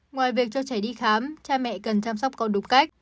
ngoài việc cho trẻ đi khám cha mẹ cần chăm sóc con đúng cách